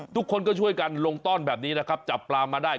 ทุกคนก็ช่วยกันลงต้อนแบบนี้นะครับจับปลามาได้